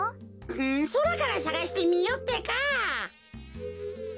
んそらからさがしてみよってか。